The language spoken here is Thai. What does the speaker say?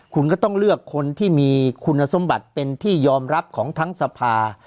คุณก็ต้องเลือกคนที่มีคุณสมบัติเป็นที่ยอมรับของทั้งสภา